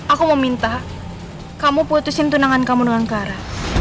aku mau minta kamu putusin tunangan kamu dengan clara